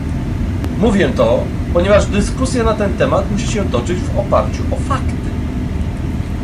Mówię to, ponieważ dyskusja na ten temat musi się toczyć w oparciu o fakty